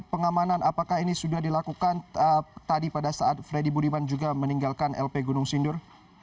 pengamanan apakah ini sudah dilakukan tadi pada saat freddy budiman juga meninggalkan lp gunung sindur